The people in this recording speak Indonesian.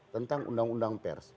tentang undang undang pers